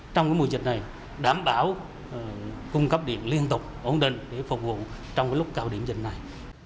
trong mùa dịch này đảm bảo cung cấp điện liên tục ổn định để phục vụ trong lúc cao điểm dịch này